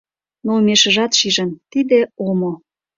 Но омешыжат шижын: тиде омо.